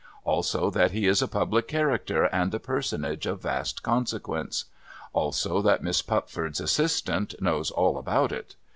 Also, that he is a public character, and a personage of vast consequence. Also, that Miss Pupford's assistant knows all about it.